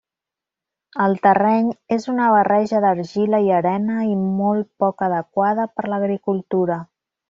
El terreny és una barreja d'argila i arena i molt poc adequada per l'agricultura.